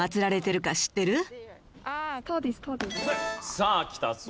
さあきたぞ。